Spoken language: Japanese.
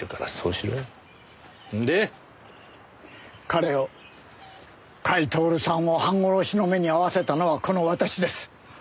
彼を甲斐享さんを半殺しの目に遭わせたのはこの私です。